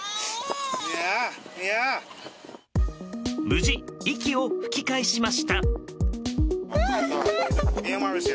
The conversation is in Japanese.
無事、息を吹き返しました。